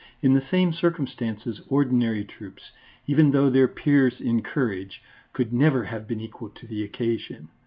In the same circumstances ordinary troops, even though their peers in courage, could never have been equal to the occasion.